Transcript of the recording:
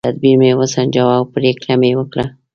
تدبیر مې وسنجاوه او پرېکړه مې وکړه.